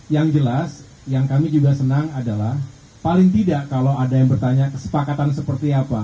yang jelas yang kami juga senang adalah paling tidak kalau ada yang bertanya kesepakatan seperti apa